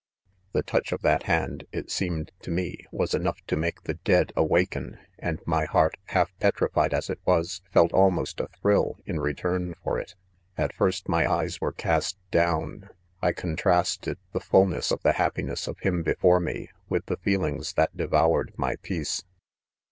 6 The touch of that hand, it seemed to me, was enough to make the dead awaken, and my heart, half petrified as it was, felt almost a thrill, in return for it. c Aifirst my eyes were cast down ; I contras ted the fullness of the happiness of himrbe fore me, with the feelings that devoured my peace.